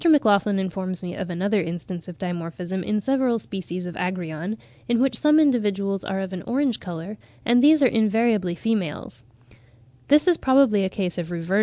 MacLachlan informs me of another instance of dimorphism in several species of Agrion, in which some individuals are of an orange colour, and these are invariably females.